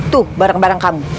tuh barang barang kamu